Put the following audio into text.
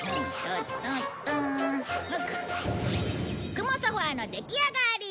雲ソファーの出来上がり！